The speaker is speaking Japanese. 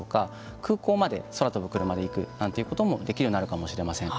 空港まで空飛ぶクルマで行くなんていうこともできるようになるかもしれません。